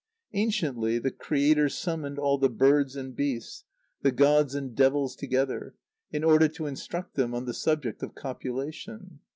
_ Anciently the Creator summoned all the birds and beasts, the gods and devils together, in order to instruct them on the subject of copulation.